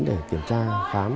để kiểm tra khám